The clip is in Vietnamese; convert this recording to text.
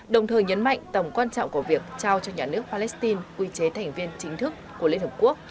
đồng thời nhấn mạnh tầm quan trọng của việc trao cho nhà nước palestine quy chế thành viên chính thức của liên hợp quốc